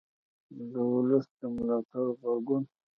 د ولس د ملاتړ غبرګون